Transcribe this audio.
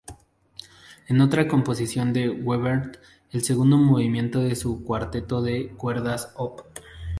En otra composición de Webern, el segundo movimiento de su cuarteto de cuerdas Op.